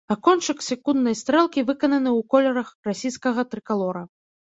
А кончык секунднай стрэлкі выкананы ў колерах расійскага трыкалора.